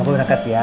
opa berangkat ya